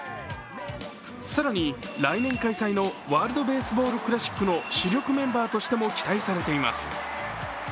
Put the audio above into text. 更に、来年開催のワールド・ベースボール・クラシックの主力メンバーとしても期待されています。